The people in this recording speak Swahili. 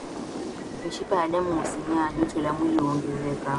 Mishipa ya damu husinyaa Joto la mwili huongezeka